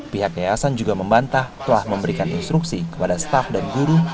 pihak yayasan juga membantah telah memberikan instruksi kepada staff dan guru